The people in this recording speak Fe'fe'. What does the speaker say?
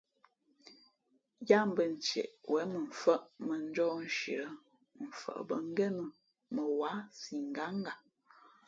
Yáá mbᾱ ntieʼ wěn mαmfάʼ mᾱnjɔ́ nshi lά mfαʼ bᾱ ngénα mα wǎ si ngǎnga.